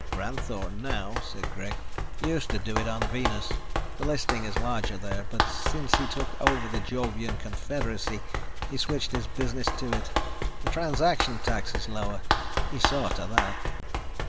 "Ranthoor now," said Greg. "Used to do it on Venus. The listing is larger there. But since he took over the Jovian confederacy, he switched his business to it. The transaction tax is lower. He saw to that."